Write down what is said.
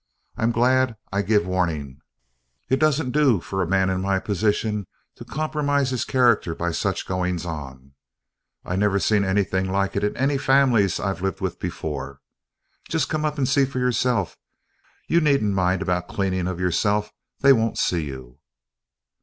I'm glad I give warning. It doesn't do for a man in my position to compromise his character by such goings on. I never see anything like it in any families I lived with before. Just come up and see for yourself. You needn't mind about cleanin' of yourself they won't see you."